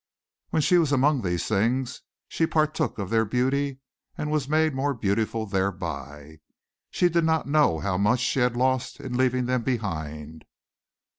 When she was among these things she partook of their beauty and was made more beautiful thereby. She did not know how much she had lost in leaving them behind.